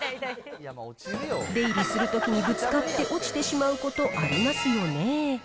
出入りするときにぶつかって落ちてしまうことありますよね。